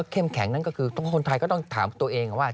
แข็งนั้นก็คือคนไทยก็ต้องถามตัวเองว่า